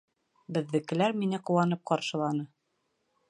Беҙҙекеләр мине ҡыуанып ҡаршыланы.